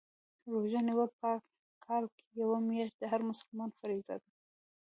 روژه نیول په کال کي یوه میاشت د هر مسلمان فریضه ده